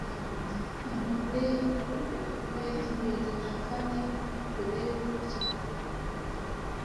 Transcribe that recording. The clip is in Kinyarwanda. muri bbiri na kane mbere yuko kivugururwa